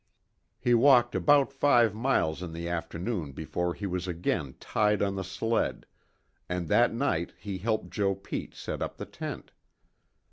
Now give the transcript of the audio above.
He walked about five miles in the afternoon before he was again tied on the sled, and that night he helped Joe Pete set up the tent.